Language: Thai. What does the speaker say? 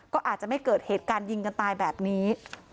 ก็อาจจะไม่เกิดเหตุการณ์ยิงกันตายแบบนี้